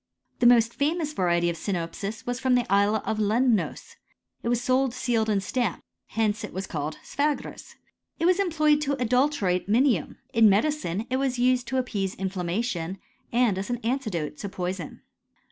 The most famous variety of sinopis was from the isle of Lemnos ; it was sold sealed and stamped : hence it was called sphragis. It was em ployed to adulterate minium. In medicine it wai used to appease infiammation, and as an antidote to poison.